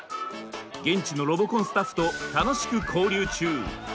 現地のロボコンスタッフと楽しく交流中。